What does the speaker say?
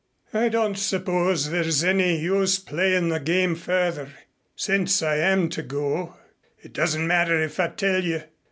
"I don't suppose there is any use playing the game further. Since I am to go, it doesn't matter if I tell you.